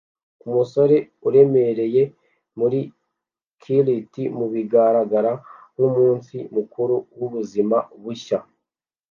Umusore uremereye muri kilt mubigaragara nkumunsi mukuru wubuzima bushya